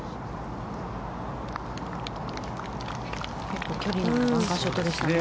結構距離のあるバンカーショットでしたね。